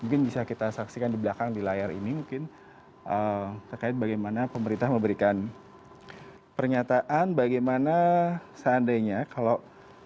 mungkin bisa kita saksikan di belakang di layar ini mungkin terkait bagaimana pemerintah memberikan pernyataan bagaimana seandainya kalau